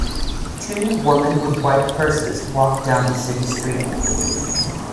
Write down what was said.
Two woman with white purses walk down the city street.